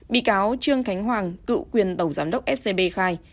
bị cáo trương khánh hoàng cựu quyền tổng giám đốc scb khai